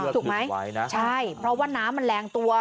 ถูกไหมนะใช่เพราะว่าน้ำมันแรงตัว